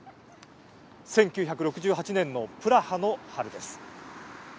１９６８年のプラハの春です。